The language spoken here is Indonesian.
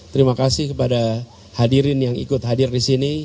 terima kasih kepada hadirin yang ikut hadir di sini